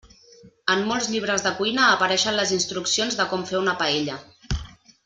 En molts llibres de cuina apareixen les instruccions de com fer una paella.